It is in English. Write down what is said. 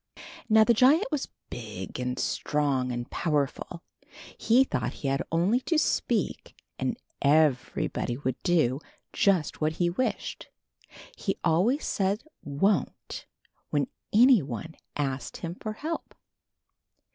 Now the giant was big and strong and pow erful. He thought he had only to speak and everybody would do just what he wished. He always said wonT'' when anyone asked him for help.